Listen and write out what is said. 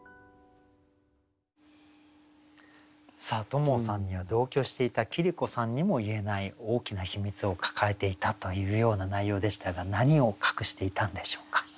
トモさんには同居していた桐子さんにも言えない大きな秘密を抱えていたというような内容でしたが何を隠していたんでしょうか？